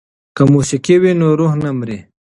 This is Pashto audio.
که موسیقي وي نو روح نه مري.